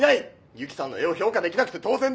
ユキさんの絵を評価できなくて当然だ。